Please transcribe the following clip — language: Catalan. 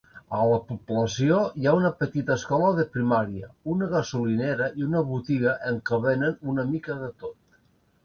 A la població hi ha una petita escola de primària, una gasolinera i una botiga en què venen una mica de tot.